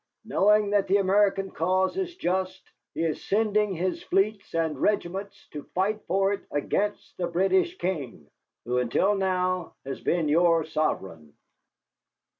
Knowing that the American cause is just, he is sending his fleets and regiments to fight for it against the British King, who until now has been your sovereign."